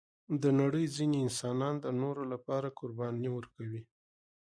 د نړۍ ځینې انسانان د نورو لپاره قرباني ورکوي.